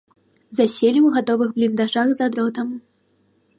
Заселі ў гатовых бліндажах за дротам.